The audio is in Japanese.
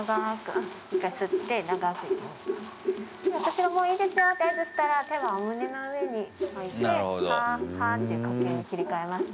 私がもういいですよって合図したら手はお胸の上に置いてハー、ハーって呼吸に切り替えますね。